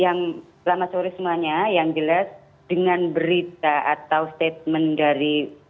ya yang jelas yang selamat sore semuanya yang jelas dengan berita atau statement dari kementerian rbi seperti itu membuat